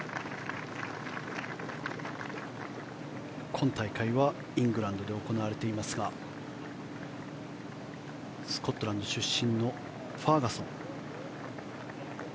今大会はイングランドで行われていますがスコットランド出身のファーガソン。